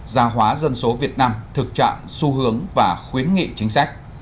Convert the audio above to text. gia hóa dân số việt nam thực trạng xu hướng và khuyến nghị chính sách